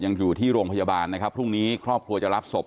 อยู่ที่โรงพยาบาลนะครับพรุ่งนี้ครอบครัวจะรับศพ